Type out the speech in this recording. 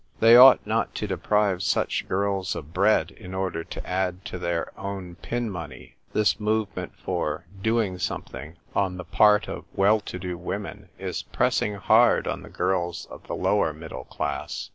They ought not to deprive such girls of bread in order to add to their own pin money. This movement for ' doing something' on the part of well to do women is pressing hard on the girls of the lower middle class.